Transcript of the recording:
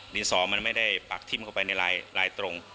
ดินสอมันไม่ได้ปักทิ้มเข้าไปในลายตรง